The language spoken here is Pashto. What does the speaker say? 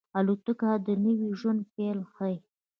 الوتکه د نوي ژوند پیل ښيي.